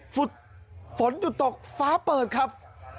ฝนหยุดตกฟ้าเปิดครับ